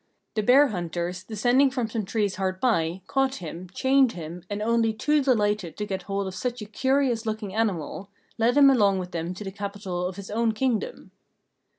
The bear hunters, descending from some trees hard by, caught him, chained him, and only too delighted to get hold of such a curious looking animal, led him along with them to the capital of his own Kingdom.